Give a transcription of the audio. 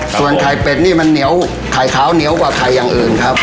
ส่วนไข่เป็ดนี่มันเหนียวไข่ขาวเหนียวกว่าไข่อย่างอื่นครับ